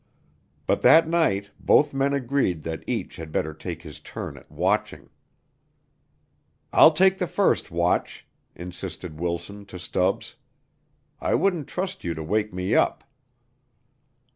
But that night both men agreed that each had better take his turn at watching. "I'll take the first watch," insisted Wilson to Stubbs. "I wouldn't trust you to wake me up."